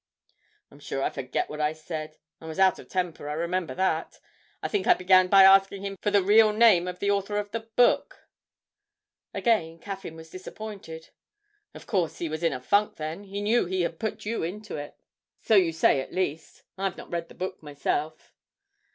'I'm sure I forget what I said I was out of temper, I remember that. I think I began by asking him for the real name of the author of the book.' Again Caffyn was disappointed. 'Of course he was in a funk then; he knew he had put you into it. So you say at least; I've not read the book myself.'